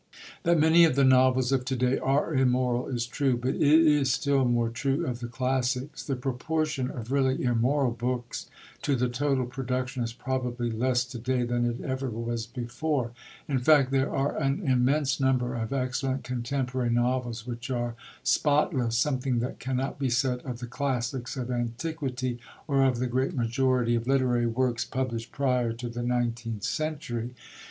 That many of the novels of to day are immoral is true, but it is still more true of the classics. The proportion of really immoral books to the total production is probably less to day than it ever was before; in fact, there are an immense number of excellent contemporary novels which are spotless, something that cannot be said of the classics of antiquity or of the great majority of literary works published prior to the nineteenth century.